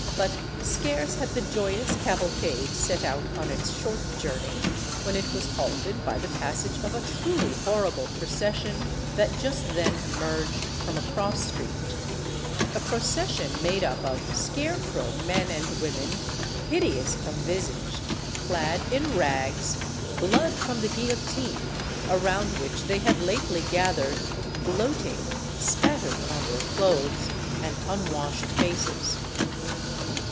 But scarce had the joyous cavalcade set out on its short journey when it was halted by the passage of a truly horrible procession that just then emerged from a cross street; a procession made up of scare crow men and women, hideous of visage, clad in rags, blood from the guillotine around which they had lately gathered, gloating spattered on their clothes and unwashed faces.